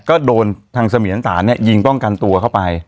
ก็โดนทางเสมียนสารเนี่ยยิงป้องกันตัวเข้าไป